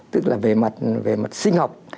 tức là về mặt sinh học